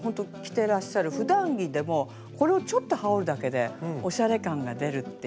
てらっしゃるふだん着でもこれをちょっと羽織るだけでおしゃれ感が出るっていうね